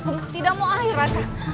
aku tidak mau air raka